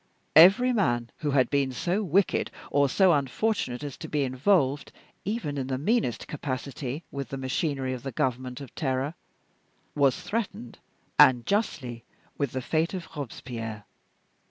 Every man who had been so wicked or so unfortunate as to be involved, even in the meanest capacity, with the machinery of the government of Terror, was threatened, and justly, with the fate of Robespierre.